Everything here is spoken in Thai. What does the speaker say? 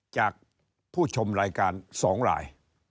จากผู้ชมรายการ๒ราย